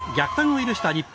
逆転を許した日本。